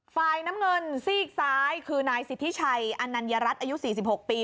ฝ่ายน้ำเงินซีกซ้ายคือนายสิทธิชัยอนัญญรัฐอายุ๔๖ปี